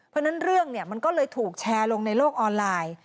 เพราะฉะนั้นเรื่องเนี่ยมันก็เลยถูกแชร์ลงในโลกออนไลน์